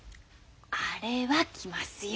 あれはきますよ。